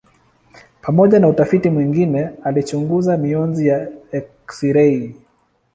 Pamoja na utafiti mwingine alichunguza mionzi ya eksirei.